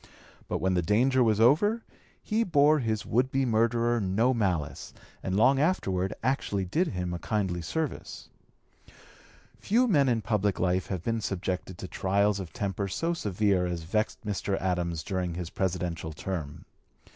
But when the danger was over he bore his would be murderer no malice, and long afterward actually did him a kindly service. Few men in public life have been subjected to trials of temper so severe as vexed Mr. Adams during his Presidential term.